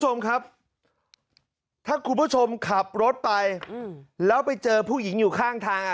คุณผู้ชมครับถ้าคุณผู้ชมขับรถไปอืมแล้วไปเจอผู้หญิงอยู่ข้างทางอ่ะ